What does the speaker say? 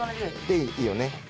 でいいよね。